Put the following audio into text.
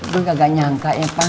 gue gak nyangka ya pak